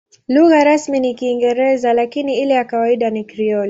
Lugha rasmi ni Kiingereza, lakini ile ya kawaida ni Krioli.